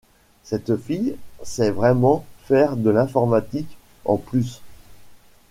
Cette fille sait vraiment faire de l’informatique, en plus ?